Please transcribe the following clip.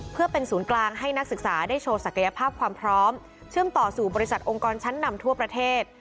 เพื่อเป็นศูนย์กลางให้นักศึกษาได้โชว์ศักยภาพความพร้อมเชื่อมต่อสู่บริษัทองค์กรชั้นนำทั่วประเทศ